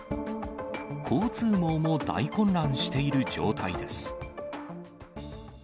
交通網も大混乱している状態です。